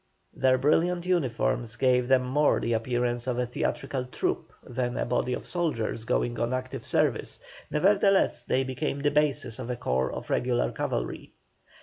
Their brilliant uniforms gave them more the appearance of a theatrical troupe than a body of soldiers going on active service; nevertheless they became the basis of a corps of regular cavalry.